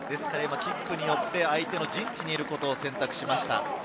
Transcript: キックによって相手の陣地にいることを選択しました。